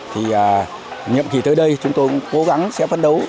thì nhiệm kỳ tới đây chúng tôi cũng cố gắng sẽ phấn đấu